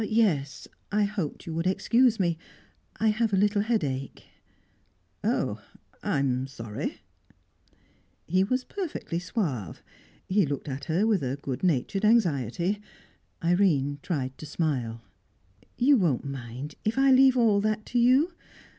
"Yes. I hoped you would excuse me. I have a little headache." "Oh, I'm sorry!" He was perfectly suave. He looked at her with a good natured anxiety. Irene tried to smile. "You won't mind if I leave all that to you?